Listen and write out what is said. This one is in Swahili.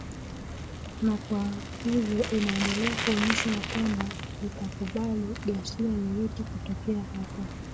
na kwa hivyo inaendelea kuonyesha ya kwamba hitakubali ghasia yoyote kutokea hapa